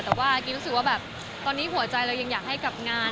แต่ว่ากิ๊รู้สึกว่าแบบตอนนี้หัวใจเรายังอยากให้กลับงาน